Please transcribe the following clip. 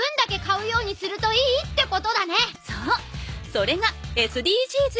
それがＳＤＧｓ。